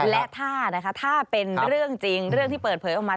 และถ้าเป็นเรื่องจริงเรื่องที่เปิดเผยออกมา